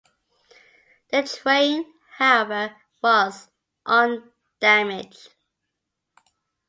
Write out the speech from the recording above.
The train, however, was undamaged.